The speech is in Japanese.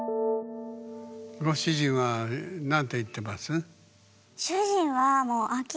ご主人は何て言ってます？